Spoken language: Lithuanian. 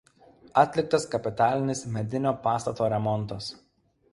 Atliktas kapitalinis medinio pastato remontas.